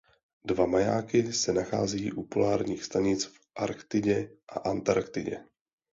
Dva majáky se nacházejí u polárních stanic v Arktidě a Antarktidě.